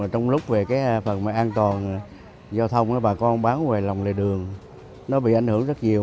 trong lúc về phần an toàn giao thông bà con bán lòng lề đường bị ảnh hưởng rất nhiều